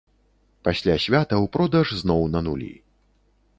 Пасля святаў продаж зноў на нулі.